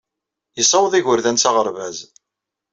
Yessaweḍ igerdan s aɣerbaz.